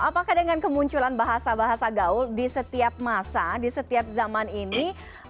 apakah dengan kemunculan bahasa bahasa gaul di setiap masa di setiap zaman ini